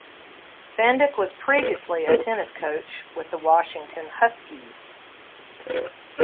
Fendick was previously a tennis coach with the Washington Huskies.